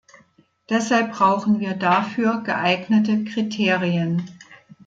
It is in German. Deshalb brauchen wir dafür geeignete Kriterien.